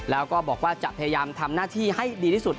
แล้วก็บอกว่าจะพยายามทำหน้าที่ให้ดีที่สุด